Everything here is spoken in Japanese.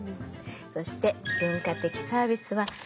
そして文化的サービスはレジャー